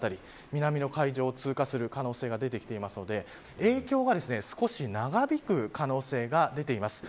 南の海上を通過する可能性が出てきているので影響が少し長引く可能性が出ています。